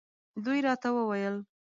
دوی راته وویل.